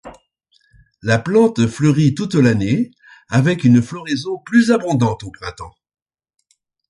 La plante fleurit toute l'année avec une floraison plus abondante au printemps.